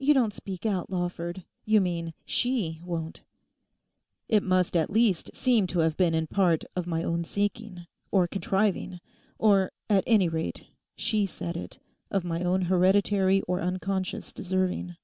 'You don't speak out, Lawford; you mean she won't.' 'It must at least seem to have been in part of my own seeking, or contriving; or at any rate—she said it—of my own hereditary or unconscious deserving.